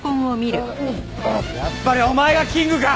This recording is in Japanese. やっぱりお前がキングか！